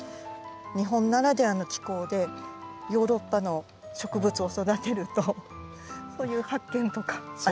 日本ならではの気候でヨーロッパの植物を育てるとそういう発見とかあります。